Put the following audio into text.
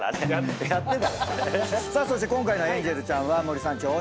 さあそして今回のエンジェルちゃんは森三中大島さんです。